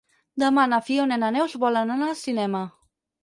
Demà na Fiona i na Neus volen anar al cinema.